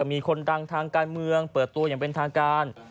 มีคนดังทางการเมืองเปิดตัวอย่างเป็นทางการ